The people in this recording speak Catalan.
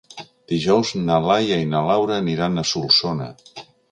Dijous na Laia i na Laura aniran a Solsona.